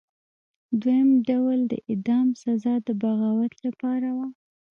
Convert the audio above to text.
دویم ډول د اعدام سزا د بغاوت لپاره وه.